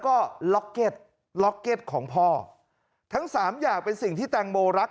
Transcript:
ก็ล็อกเก็ตล็อกเก็ตของพ่อทั้งสามอย่างเป็นสิ่งที่แตงโมรัก